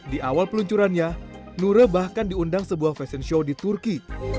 di awal peluncurannya nura bahkan diundang sebuah fashion show di turki